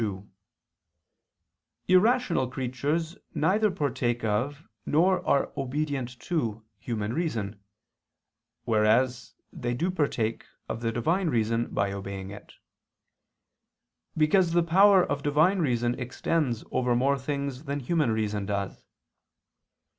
2: Irrational creatures neither partake of nor are obedient to human reason: whereas they do partake of the Divine Reason by obeying it; because the power of Divine Reason extends over more things than human reason does.